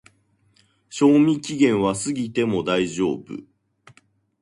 賞味期限は過ぎても大丈夫